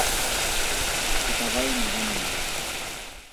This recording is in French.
Ses paroles me ranimaient.